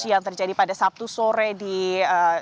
yang terjadi pada sabtu sore di ci atar subang ini